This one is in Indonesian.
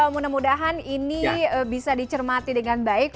mudah mudahan ini bisa dicermati dengan baik